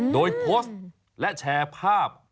โดยโพสต์และแชร์ภาพ